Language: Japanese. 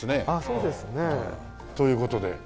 そうですね。という事で。